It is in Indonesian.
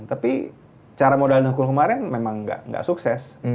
tapi cara modal hukum kemarin memang nggak sukses